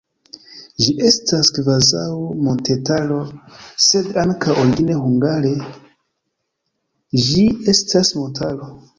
Ĝi estas kvazaŭ montetaro, sed ankaŭ origine hungare ĝi estas montaro.